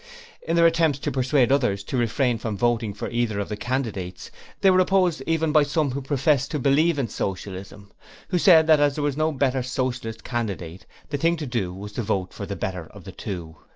In their attempts to persuade others to refrain from voting for either of the candidates, they were opposed even by some who professed to believe in Socialism, who said that as there was no better Socialist candidate the thing to do was to vote for the better of the two.